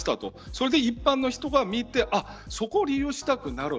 そして一般の人が見てそこを利用したくなる。